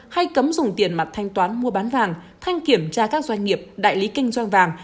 hay cấm dùng tiền mặt thanh toán mua bán vàng thanh kiểm tra các doanh nghiệp đại lý kinh doanh vàng